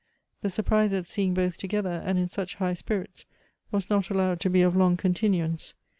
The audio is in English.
The surprise at seeing both together, and in such high spirits was not allowed to be of long con tinuance.